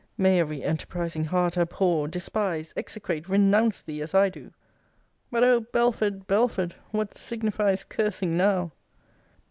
May every enterprising heart abhor, despise, execrate, renounce thee, as I do! But, O Belford, Belford, what signifies cursing now!